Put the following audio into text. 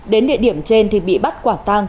đến địa điểm trên thì bị bắt quả tang